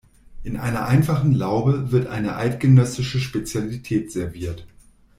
In einer einfachen Laube wird eine eidgenössische Spezialität serviert.